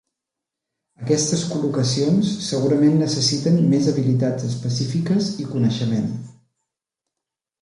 Aquestes col·locacions segurament necessiten més habilitats específiques i coneixement.